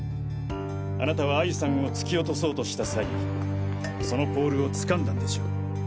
あなたは愛由さんを突き落とそうとした際そのポールを掴んだんでしょう。